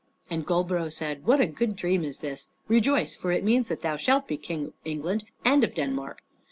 And Goldborough said, "What a good dream is this! Rejoice, for it means that thou shalt be king of England and of Denmark.